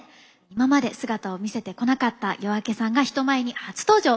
今まで姿を見せてこなかったＹＯＡＫＥさんが人前に初登場。